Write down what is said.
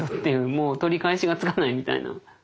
「もう取り返しがつかない」みたいな。